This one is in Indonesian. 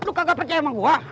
lu kagak percaya sama gua